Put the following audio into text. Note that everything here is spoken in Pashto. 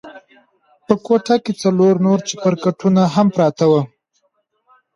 په کوټه کښې څلور نور چپرکټونه هم پراته وو.